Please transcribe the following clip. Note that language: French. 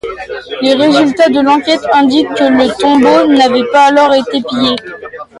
Les résultats de l'enquête indiquent que le tombeau n'avait pas alors été pillé.